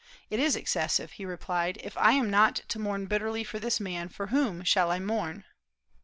"It is excessive," he replied. "If I am not to mourn bitterly for this man, for whom should I mourn?"